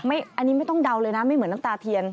อันนี้ไม่ต้องเดาเลยนะไม่เหมือนน้ำตาเทียน